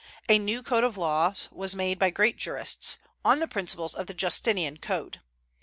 A new code of laws was made by great jurists, on the principles of the Justinian Code.